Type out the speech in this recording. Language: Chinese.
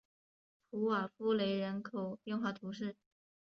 普瓦夫雷人口变化图示